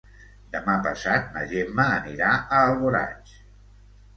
Demà passat na Gemma anirà a Alboraig.